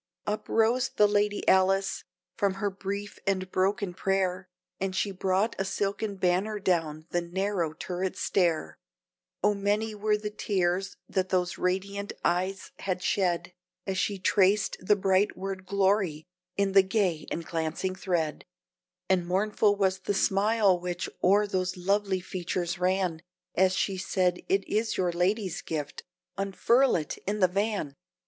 Up rose the Lady Alice, from her brief and broken prayer, And she brought a silken banner down the narrow turret stair, Oh! many were the tears that those radiant eyes had shed, As she traced the bright word "Glory" in the gay and glancing thread; And mournful was the smile which o'er those lovely features ran As she said, "It is your lady's gift, unfurl it in the van!"